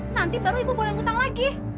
nanti baru ibu boleh ngutang lagi